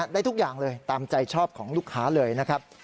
ได้ทุกอย่างเลยตามใจชอบของลูกค้าเลยนะครับ